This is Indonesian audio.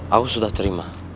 aku sudah terima